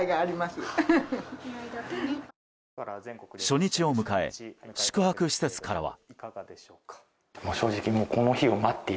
初日を迎え宿泊施設からは。